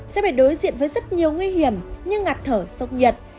sẽ bị đối diện với rất nhiều nguy hiểm như ngặt thở sốc nhật